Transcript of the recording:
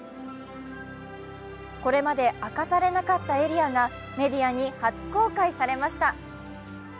これまで明かされなかったエリアがメディアに初公開されました。